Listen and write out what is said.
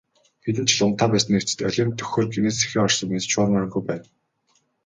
Хэдэн жил унтаа байсны эцэст олимп дөхөхөөр гэнэт сэхээ орсон мэт шуурмааргүй байна.